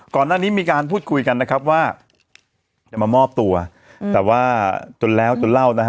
ก่อนหน้านี้มีการพูดคุยกันนะครับว่าจะมามอบตัวแต่ว่าจนแล้วจนเล่านะฮะ